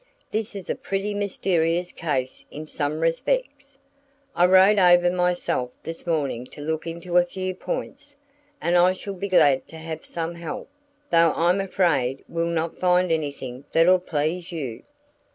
"This is a pretty mysterious case in some respects. I rode over myself this morning to look into a few points and I shall be glad to have some help though I'm afraid we'll not find anything that'll please you."